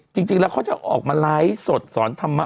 จริงแล้วเขาจะออกมาไลฟ์สดสอนธรรมะ